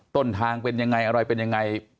ต้นทางเป็นยังไงอะไรเป็นยังไง